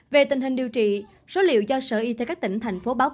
về tình hình điều trị số liệu do sở y tế các tỉnh thành phố báo cáo